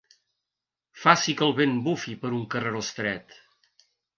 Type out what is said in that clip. Faci que el vent bufi per un carreró estret.